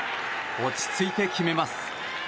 落ち着いて決めます。